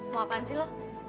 mau apaan sih lo